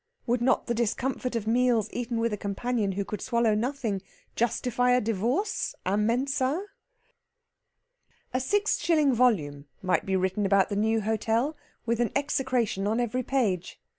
Would not the discomfort of meals eaten with a companion who could swallow nothing justify a divorce a mensa? A six shilling volume might be written about the New Hotel, with an execration on every page.